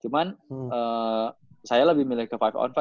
cuman saya lebih milih ke lima on lima